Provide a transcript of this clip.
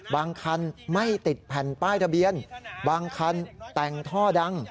บางคันไม่ติดแผ่นป้ายทะเบียนบางคันแต่งท่อดัง